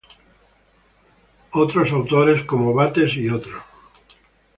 Otros autores, como Bates "et al".